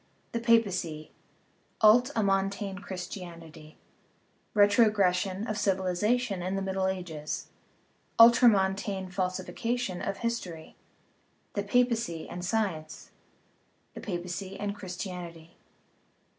The Papacy (Ult amontane Christianity) Retrogres sion of Civilization in the Middle Ages Ultramontane Falsi fication of History The Papacy and Science The Papacy and Christianity III.